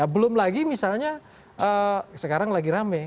belum lagi misalnya sekarang lagi rame